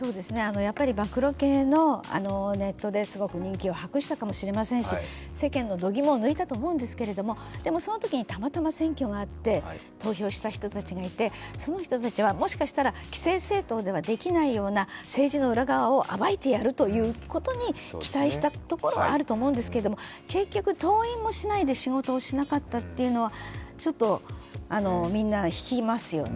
やっぱり、暴露系のネットですごく人気を博したかもしれませんし、世間の度肝を抜いたと思うんですけど、そのときにたまたま選挙があって投票した人たちがいて、その人たちはもしかしたら既成政党ではできないような政治の裏側を暴いてやるということに期待したところはあると思うんですけど結局、当院もしないで仕事をしなかったというのは、みんな引きますよね。